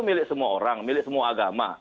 milik semua orang milik semua agama